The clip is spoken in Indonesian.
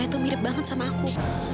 zaira tuh mirip banget sama aku